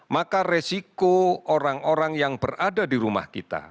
maka resiko orang orang yang berada di rumah kita